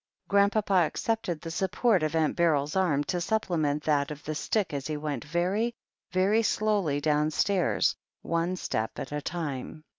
Grandpapa accepted the support of Aunt Beryl's arm to supplement that of the stick as he went very, very slowly downstairs^ one step at a time.